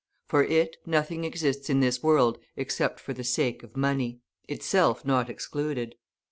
For it nothing exists in this world, except for the sake of money, itself not excluded.